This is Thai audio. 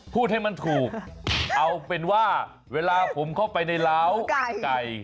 พูดให้มันถูกเอาเป็นว่าเวลาผมเข้าไปในร้าวไก่